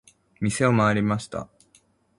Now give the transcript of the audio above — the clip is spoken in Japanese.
店を回りました。